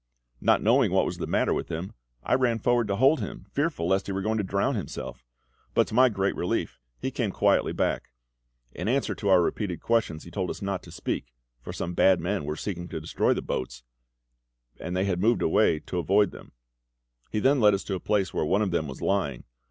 Not knowing what was the matter with him, I ran forward to hold him, fearful lest he were going to drown himself; but to my great relief he came quietly back. In answer to our repeated questions he told us not to speak, for some bad men were seeking to destroy the boats, and they had moved away to avoid them. He then led us to the place where one of them was lying.